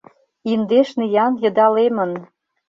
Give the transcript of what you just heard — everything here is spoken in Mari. Индеш ниян йындалемын